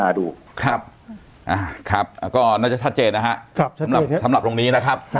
อ่าครับก็น่าจะชัดเจนนะฮะครับชัดเจนสำหรับตรงนี้นะครับครับ